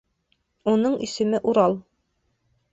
Уның исеме Урал